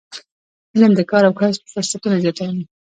علم د کار او کسب فرصتونه زیاتوي.